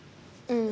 うん。